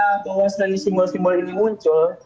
untuk ingin kita mewasani simbol simbol ini muncul